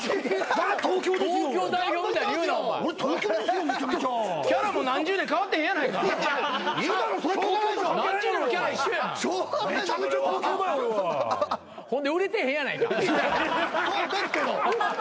そうですけど。